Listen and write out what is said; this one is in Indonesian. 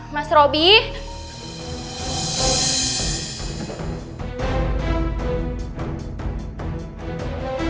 bau bensin lagi